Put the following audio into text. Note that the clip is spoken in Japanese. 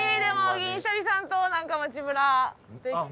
銀シャリさんとなんか街ブラできて。